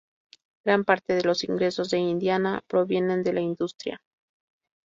Gran parte de los ingresos de Indiana provienen de la industria.